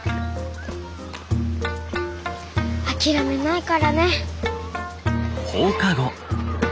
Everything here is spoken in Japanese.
諦めないからね。